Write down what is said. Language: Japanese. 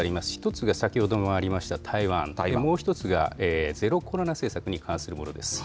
１つが先ほどにもありました、台湾、もう１つがゼロコロナ政策に関するものです。